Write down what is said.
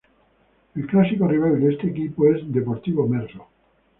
El clásico rival de este equipo es Deportivo Merlo.